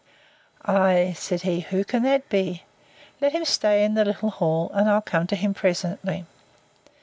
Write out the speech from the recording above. Ay, said he, Who can that be?—Let him stay in the little hall, and I'll come to him presently.